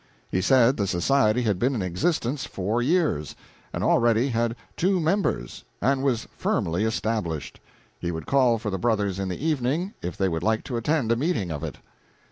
He said the society had been in existence four years, and already had two members, and was firmly established. He would call for the brothers in the evening if they would like to attend a meeting of it.